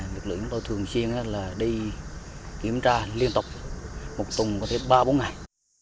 lực lượng chúng tôi thường xuyên đi kiểm tra liên tục một tuần có thể ba bốn ngày